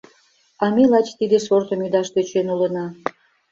А ме лач тиде сортым ӱдаш тӧчен улына.